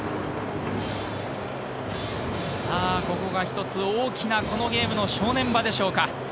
ここが一つ、大きなこのゲームの正念場でしょうか。